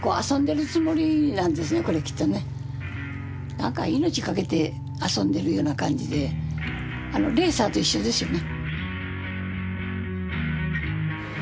何か命かけて遊んでるような感じでレーサーと一緒ですよね。